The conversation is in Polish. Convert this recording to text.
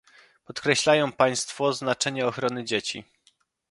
Podkreślają państwo znaczenie ochrony dzieci